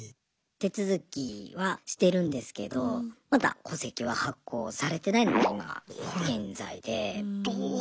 手続きはしてるんですけどまだ戸籍は発行されていないのが今現在で。